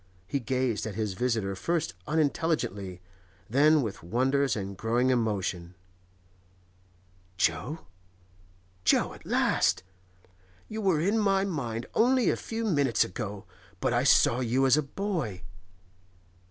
He gazed at his visitor first unintelligently, then with wonder and growing emotion. 'Jo?—Jo, at last? You were in my mind only a few minutes ago, but I saw you as a boy.